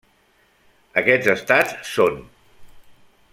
Aquests estats són: